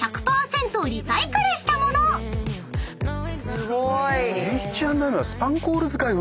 すごーい！